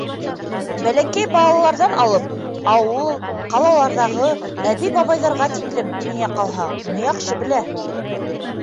Бәләкәй балаларҙан алып ауыл-ҡалаларҙағы әбей-бабайҙарға тиклем, миңә ҡалһа, уны яҡшы белә.